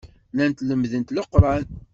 Llant lemmdent Leqran.